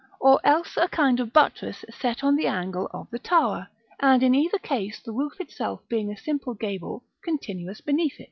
or else a kind of buttress set on the angle of the tower; and in either case the roof itself being a simple gable, continuous beneath it.